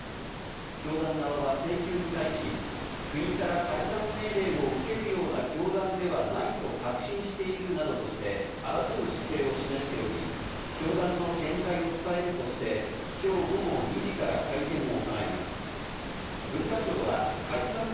教団側請求に対し、国から解散命令を受けるような教団ではないと確信しているなどとして争う姿勢を示しており、教団の見解を伝えるとして、きょう午後２時から会見を行います。